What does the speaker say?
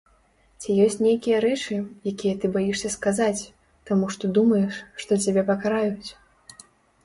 Ці ёсць нейкія рэчы, якія ты баішся сказаць, таму што думаеш, што цябе пакараюць?